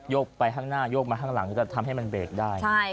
กไปข้างหน้ายกมาข้างหลังจะทำให้มันเบรกได้